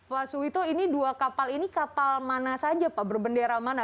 pak suwito ini dua kapal ini kapal mana saja pak berbendera mana